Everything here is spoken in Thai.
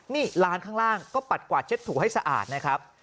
นี่ร้านข้างล่างก็ปัดกวาดเช็ดถูให้สะอาดนะครับ